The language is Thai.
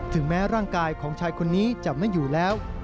แม้ร่างกายของชายคนนี้จะไม่อยู่แล้ว